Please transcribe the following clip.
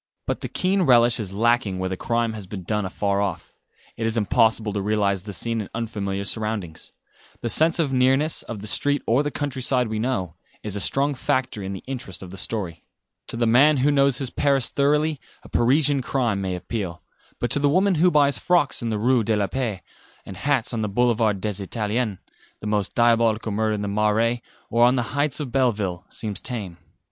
But the keen relish is lacking where the crime has been done afar off. It is impossible to realise the scene in unfamiliar surroundings. The sense of nearness, of the street or the countryside we know, is a strong factor in the interest of the story. To the man who knows his Paris thoroughly a Parisian crime may appeal; but to the woman who buys frocks in the Rue de la Paix, and hats on the Boulevard des Italiens, the most diabolical murder in the Marais, or on the heights of Belleville, seems tame.